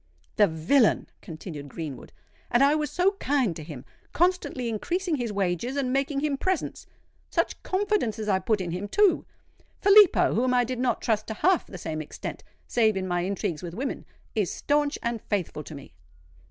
"The villain!" continued Greenwood. "And I was so kind to him—constantly increasing his wages and making him presents! Such confidence as I put in him, too! Filippo, whom I did not trust to half the same extent—save in my intrigues with women—is stanch and faithful to me!"